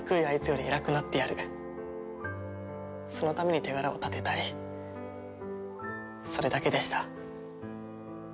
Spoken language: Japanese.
あいつより偉くなってやるそのために手柄を立てたいそれだけでした。